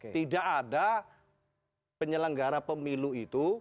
tidak ada penyelenggara pemilu itu